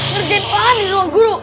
kerjaan ulangan di ruang guru